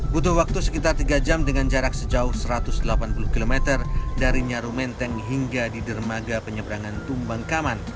butuh waktu sekitar tiga jam dengan jarak sejauh satu ratus delapan puluh km dari nyaru menteng hingga di dermaga penyeberangan tumbang kaman